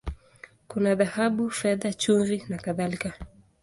Kuna dhahabu, fedha, chumvi, na kadhalika.